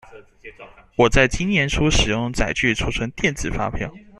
我在今年初使用載具儲存電子發票